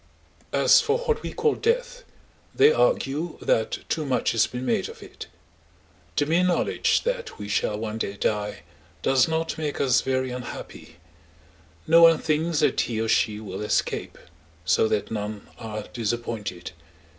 As for what we call death, they argue that too much has been made of it. The mere knowledge that we shall one day die does not make us very unhappy; no one thinks that he or she will escape, so that none are disappointed.